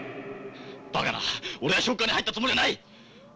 バカな俺はショッカーに入ったつもりはない！